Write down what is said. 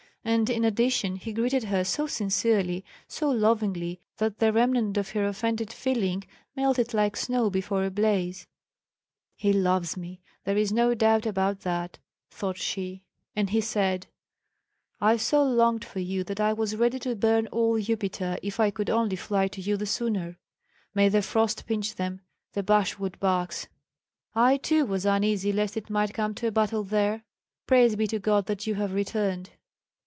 And in addition he greeted her so sincerely, so lovingly that the remnant of her offended feeling melted like snow before a blaze. "He loves me! there is no doubt about that," thought she. And he said: "I so longed for you that I was ready to burn all Upita if I could only fly to you the sooner. May the frost pinch them, the basswood barks!" "I too was uneasy lest it might come to a battle there. Praise be to God that you have returned!"